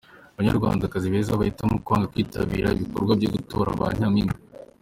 banyarwandakazi beza bahitamo kwanga kwitabira ibikorwa byo gutora ba nyampinga.